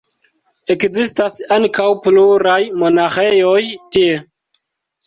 Ekzistas ankaŭ pluraj monaĥejoj tie.